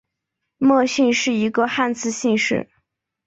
莫姓是一个汉字姓氏。